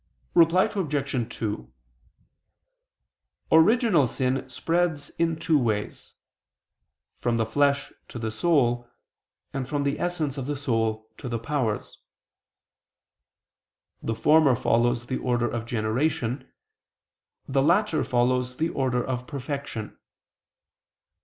Reply Obj. 2: Original sin spreads in two ways; from the flesh to the soul, and from the essence of the soul to the powers. The former follows the order of generation, the latter follows the order of perfection.